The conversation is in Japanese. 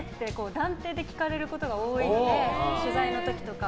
断定で聞かれることが多いので取材の時とか。